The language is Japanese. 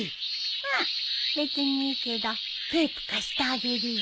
うん別にいいけどテープ貸してあげるよ。